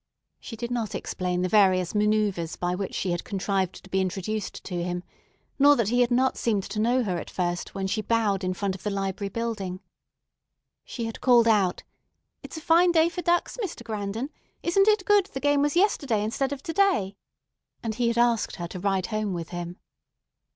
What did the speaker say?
She did not explain the various manœuvres by which she had contrived to be introduced to him, nor that he had not seemed to know her at first when she bowed in front of the library building. She had called out, "It's a fine day for ducks, Mr. Grandon; isn't it good the game was yesterday instead of to day?" and he had asked her to ride home with him.